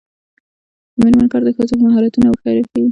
د میرمنو کار د ښځو مهارتونه ورښيي.